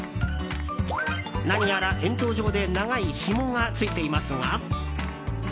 何やら円筒状で長いひもがついていますが。